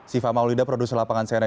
siva maulidah produser lapangan sekitar